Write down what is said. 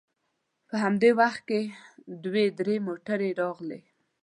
په همدې وخت کې دوې درې موټرې راغلې.